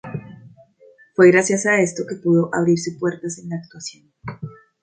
Fue gracias a esto que pudo abrirse puertas en la actuación.